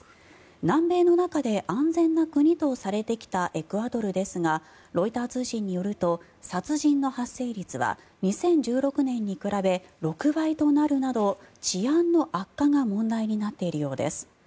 南米の中で安全な国とされてきたエクアドルですがロイター通信によると殺人の発生率は２０１６年に比べ６倍となるなど治安の悪化が問題となっているようです。